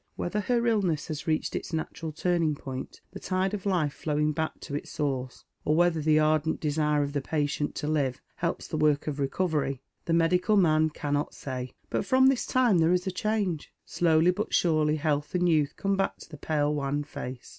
"Whether her illness has reached its natural turning point — the tide of life floT\ ing back to its source, — or whether the ardent desire of the patient to live helps tlie work of recovery, the medical men cannot say. But from this time there is a change. Slowly but surely health and youth come back to the pale wan face.